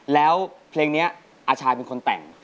แล้วเพลงนี้อาชายเป็นคนแต่ง